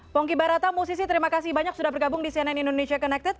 pongki barata musisi terima kasih banyak sudah bergabung di cnn indonesia connected